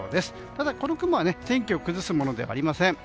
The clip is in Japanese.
ただ、この雲は天気を崩すものではありません。